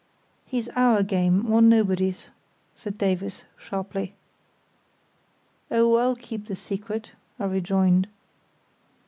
"He's our game, or nobody's," said Davies, sharply. "Oh, I'll keep the secret," I rejoined.